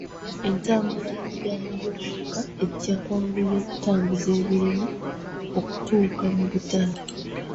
Entambula y'eggaali y'omukka ejja kwanguya okutambuza ebirimi okutuuka mu butale.